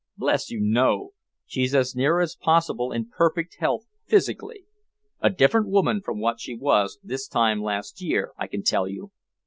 "Bless you, no! She's as near as possible in perfect health physically. A different woman from what she was this time last year, I can tell you.